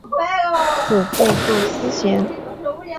祖父杜思贤。